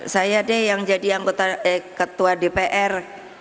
saya deh yang jadi ketua dpr